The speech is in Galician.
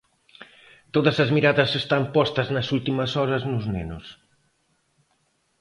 Todas as miradas están postas nas últimas horas nos nenos.